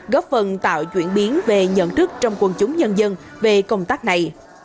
góp phần tạo chuyển biến về nhận thức trong quân chúng nhân dân về công tác này